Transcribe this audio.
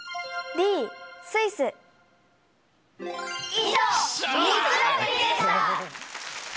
以上３つの国でした！